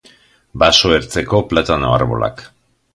Baso ertzeko platano arbolak.